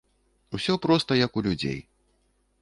Усё проста як у людзей.